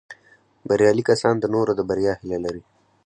بریالي کسان د نورو د بریا هیله لري